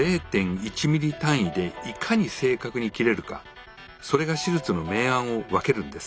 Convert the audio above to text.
０．１ｍｍ単位でいかに正確に切れるかそれが手術の明暗を分けるんです。